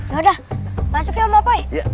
yaudah masuk ya om apoy